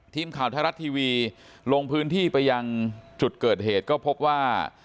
ทีมข่าวไทยรัฐทีวีลงพื้นที่ไปยังจุดเกิดเหตุก็พบว่า